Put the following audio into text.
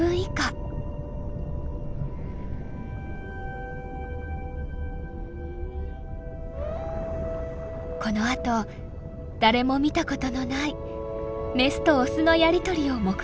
このあと誰も見たことのないメスとオスのやり取りを目撃しました。